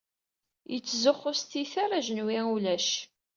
Yettzuxxu s titar, ajenwi ulac.